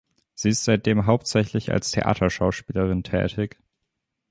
Sie ist seitdem hauptsächlich als Theaterschauspielerin tätig.